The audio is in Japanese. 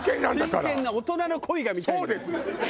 真剣な大人の恋が見たいんだから。